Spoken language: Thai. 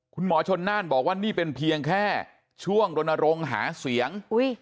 คุณหมอชนน่านบอกว่านี่เป็นเพียงแค่ช่วงรณรงค์หาเสียง